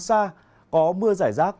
tầm nhìn xa có mưa rải rác